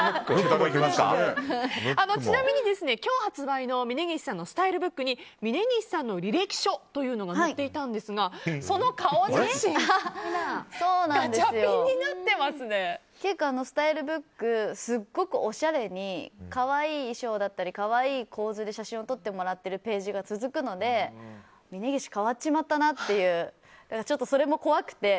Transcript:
ちなみに今日発売の峯岸さんのスタイルブックに峯岸さんの履歴書というのが載っていたんですがその顔写真がスタイルブックすごくおしゃれに可愛い衣装だったり可愛い構図で写真を撮ってもらってるページが続くので峯岸、変わっちまったなというそれも怖くて。